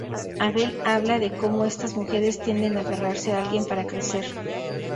Abel habla de cómo estas mujeres tienden a aferrarse a alguien para crecer.